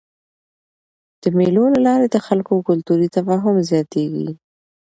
د مېلو له لاري د خلکو کلتوري تفاهم زیاتېږي.